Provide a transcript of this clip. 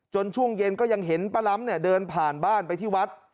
ช่วงเย็นก็ยังเห็นป้าล้ำเนี่ยเดินผ่านบ้านไปที่วัด